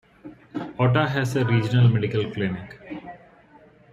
Otta has a regional medical clinic.